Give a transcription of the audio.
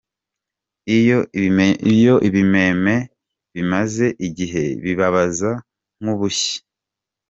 Iyo ibimeme bimaze igihe bibabaza nk’ubushye.